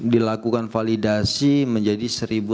dilakukan validasi menjadi satu delapan ratus lima puluh satu